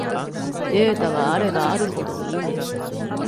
データはあればあるほどいい